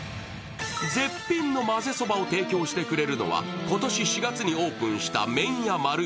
絶品のまぜそばを提供してくれるのは、今年４月にオープンした麺屋まる